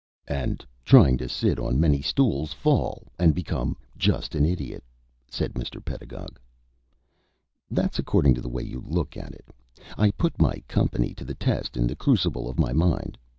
"And, trying to sit on many stools, fall and become just an Idiot," said Mr. Pedagog. "That's according to the way you look at it. I put my company to the test in the crucible of my mind.